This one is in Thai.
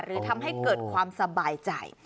หรือทำให้เกิดความสบายใจ